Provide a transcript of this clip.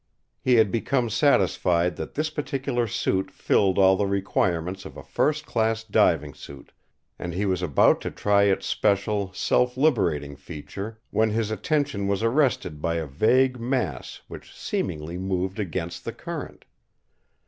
He had become satisfied that this particular suit filled all the requirements of a first class diving suit, and he was about to try its special, self liberating feature, when his attention was arrested by a vague mass which seemingly moved against the current.